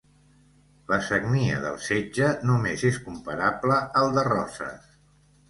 La sagnia del setge només és comparable al de Roses.